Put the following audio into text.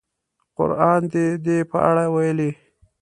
قران د دې په اړه ویلي.